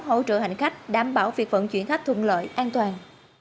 hỗ trợ hành khách đảm bảo việc vận chuyển khách thuận lợi an toàn